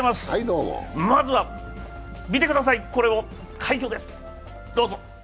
まずは見てください、これを快挙です！